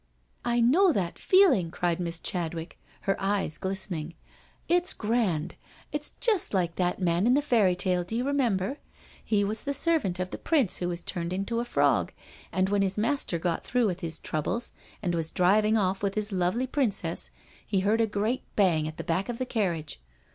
'*" I know that feeling," cried Miss Chad wick, her eyes glistening. " It's grand I It's just like that man in the fairy tale, do you remember? He was the servant of the prince who was turned into a frog, and when his master got through with his troubles and was driving off with his lovely princess, he heard a great bang at the back of the carriage.